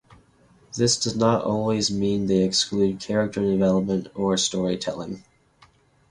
This does not always mean they exclude character development or story-telling.